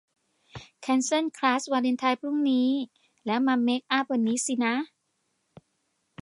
แคนเซิลคลาสวาเลนไทน์พรุ่งนี้ แล้วมาเมกอัพวันนี้สินะ